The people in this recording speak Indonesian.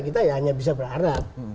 kita ya hanya bisa berharap